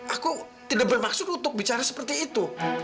aku tidak bermaksud untuk bicara seperti itu